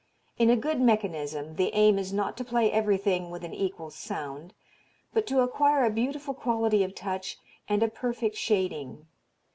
In a good mechanism the aim is not to play everything with an equal sound, but to acquire a beautiful quality of touch and a perfect shading.